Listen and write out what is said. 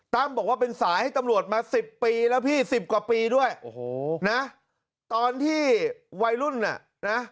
บอกว่าเป็นสายให้ตำรวจมาสิบปีแล้วพี่สิบกว่าปีด้วยโอ้โหนะตอนที่วัยรุ่นน่ะนะ